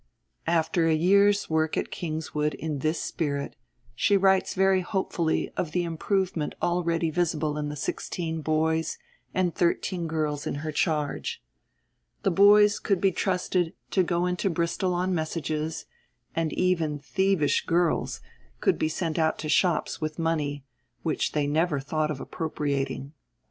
After a year's work at Kingswood in this spirit, she writes very hopefully of the improvement already visible in the sixteen boys and thirteen girls in her charge. The boys could be trusted to go into Bristol on messages, and even "thievish girls" could be sent out to shops with money, which they never thought of appropriating.